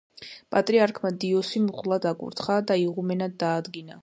პატრიარქმა დიოსი მღვდლად აკურთხა და იღუმენად დაადგინა.